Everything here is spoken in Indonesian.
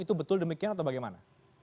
itu betul demikian atau bagaimana